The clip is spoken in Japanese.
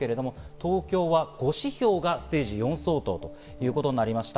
東京は５指標がステージ４相当ということになりました。